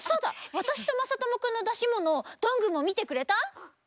わたしとまさともくんのだしものどんぐーもみてくれた？